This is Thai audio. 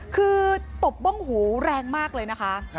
คือตบบ้องหูแรงมากเลยนะคะ